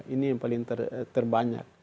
ini yang paling terbanyak